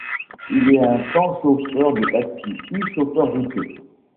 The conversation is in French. Il est un temps chauffeur de taxi, puis chauffeur routier.